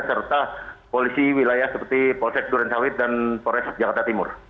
serta polisi wilayah seperti polsek durensawit dan polres jakarta timur